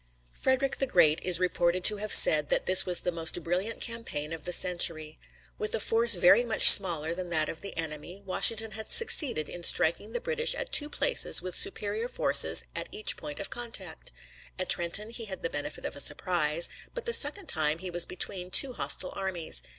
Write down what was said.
Frederick the Great is reported to have said that this was the most brilliant campaign of the century. With a force very much smaller than that of the enemy, Washington had succeeded in striking the British at two places with superior forces at each point of contact. At Trenton he had the benefit of a surprise, but the second time he was between two hostile armies.